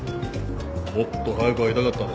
もっと早く会いたかったで。